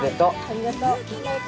ありがとう。